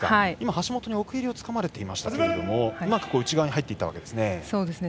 橋本に奥襟をつかまれていましたけどうまく内側に入っていったんですね。